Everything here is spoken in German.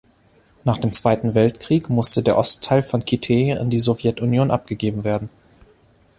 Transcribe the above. Nach dem Zweiten Weltkrieg musste der Ostteil von Kitee an die Sowjetunion abgegeben werden.